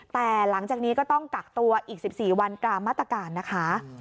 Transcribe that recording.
แต่หลังจากนี้ก็ต้องกักตัวอีก๑๔วันตามมาตรการนะคะ